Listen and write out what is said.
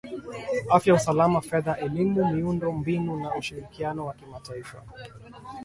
afya usalama fedha elimu miundo mbinu na ushirikiano wa kimataifa